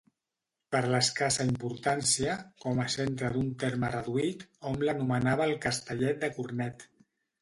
Per l'escassa importància, com a centre d'un terme reduït, hom l'anomenava el Castellet de Cornet.